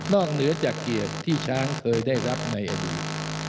เหนือจากเกียรติที่ช้างเคยได้รับในอดีต